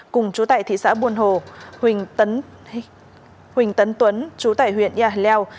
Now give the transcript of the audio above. cùng chú tại thị xã buồn hồ huỳnh tấn tuấn chú tại huyện yà lèo